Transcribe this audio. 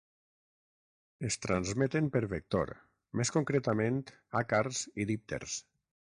Es transmeten per vector, més concretament àcars i dípters.